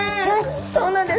そうなんです。